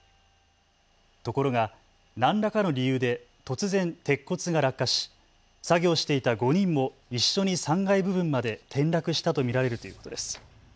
ところが何らかの理由で突然鉄骨が落下し作業していた５人も一緒に３階部分まで転落したと見られるということです。